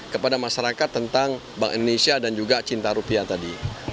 kepada masyarakat tentang bank indonesia dan juga cinta rupiah tadi